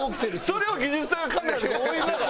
それを技術さんがカメラで追いながら。